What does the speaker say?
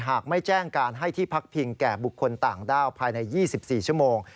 หากไม่แจ้งการให้ที่พักพิงแก่บุคคลต่างด้าวภายใน๒๔ชั่วโมง